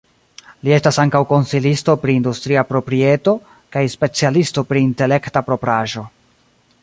Li estas ankaŭ konsilisto pri industria proprieto, kaj specialisto pri Intelekta propraĵo.